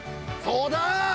そうだ！